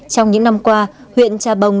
trong những năm qua huyện trà bồng